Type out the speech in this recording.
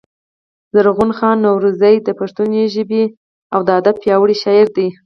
زرغون خان نورزى د پښتو ژبـي او ادب پياوړی شاعر دﺉ.